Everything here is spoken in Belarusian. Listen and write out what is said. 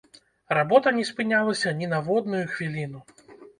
Работа не спынялася ні на водную хвіліну.